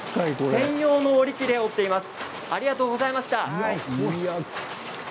専用の織り機で織っています。